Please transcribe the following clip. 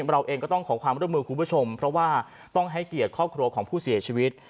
เราเองก็ต้องขอความร่วมมือคุณผู้ชมเพราะว่าต้องให้เกียรติครอบครัวของผู้เสียชีวิต